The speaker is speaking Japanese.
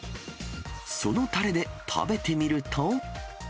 そのたれで、食べてみると。